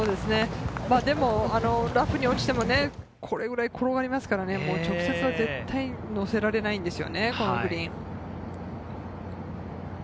でもラフに落ちてもね、これくらい転がりますから、直接は絶対乗せられないんですよね、このグリーンは。